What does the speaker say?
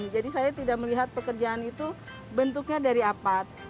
jadi saya tidak melihat pekerjaan itu bentuknya dari apa